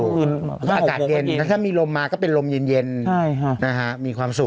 อากาศเย็นแล้วถ้ามีลมมาก็เป็นลมเย็นมีความสุข